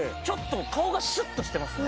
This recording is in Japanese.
顔がシュッとしてますね